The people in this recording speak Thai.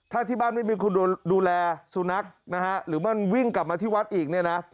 ถ้าที่บ้านไม่มีคนดูแลสุนัขนะฮะหรือมันวิ่งกลับมาที่วัดอีกเนี่ยนะ